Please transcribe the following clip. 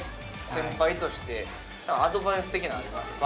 先輩としてアドバイス的なありますか？